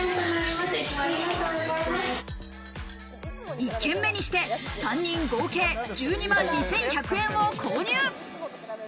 １軒目にして３人合計１２万２１００円を購入。